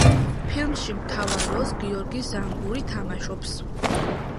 ფილმში მთავარ როლს გიორგი ზანგური თამაშობს.